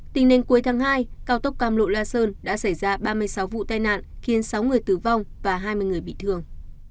tính đến cuối tháng hai cao tốc cam lộ la sơn đã xảy ra ba mươi sáu vụ tai nạn khiến sáu người tử vong và hai mươi người bị thương